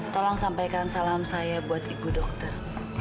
tolong sampaikan salam saya buat ibu dokter